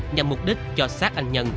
nhằm mục đích cho sát anh nhân